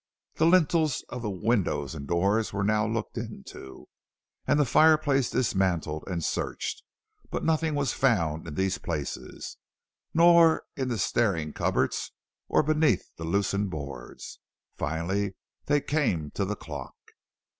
The lintels of the windows and doors were now looked into, and the fireplace dismantled and searched. But nothing was found in these places, nor in the staring cupboards or beneath the loosened boards. Finally they came to the clock.